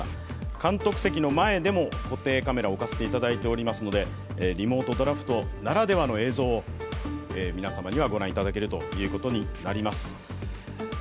監督席の前でも固定カメラを置かせていただいていますので、リモートドラフトならではの映像を皆様には御覧いただけることになります。